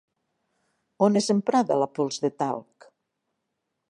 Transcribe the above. On és emprada la pols de talc?